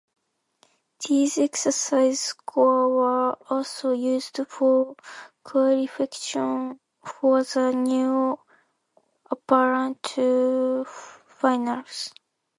These exercise scores were also used for qualification for the new apparatus finals.